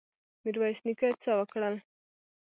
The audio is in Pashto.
میرویس نیکه څه وکړل؟